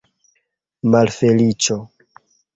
Malfeliĉo!